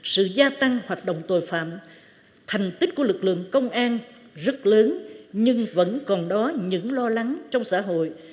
sự gia tăng hoạt động tội phạm thành tích của lực lượng công an rất lớn nhưng vẫn còn đó những lo lắng trong xã hội